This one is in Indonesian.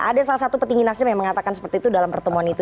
ada salah satu petinggi nasdem yang mengatakan seperti itu dalam pertemuan itu